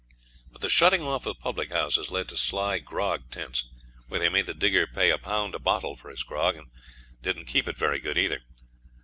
But the shutting off of public houses led to sly grog tents, where they made the digger pay a pound a bottle for his grog, and didn't keep it very good either.